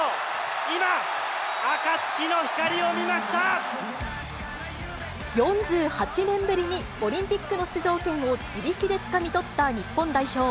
今、４８年ぶりにオリンピックの出場権を自力でつかみ取った日本代表。